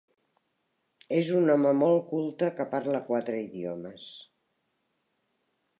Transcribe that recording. És un home molt culte que parla quatre idiomes.